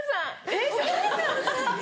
えっ？